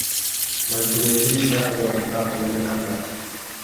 Mae'n gwneud i mi feddwl am y darlun ehangach.